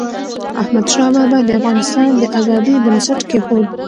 احمدشاه بابا د افغانستان د ازادی بنسټ کېښود.